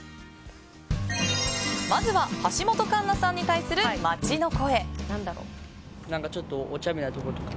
まずは橋本環奈さんに対する街の声。